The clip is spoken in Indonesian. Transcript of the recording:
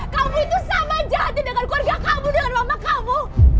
kamu itu sama jati dengan keluarga kamu dengan mama kamu